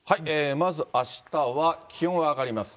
まずあしたは、気温は上がりますね。